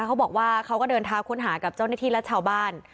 เขาบอกว่าเขาก็เดินเท้าค้นหากับเจ้าหน้าที่และชาวบ้าน